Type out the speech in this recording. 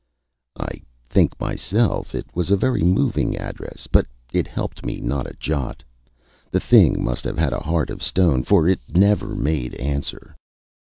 I think myself it was a very moving address, but it helped me not a jot. The thing must have had a heart of stone, for it never made answer.